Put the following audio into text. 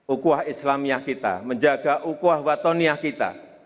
ukuah islamiyah kita menjaga ukuah watonia kita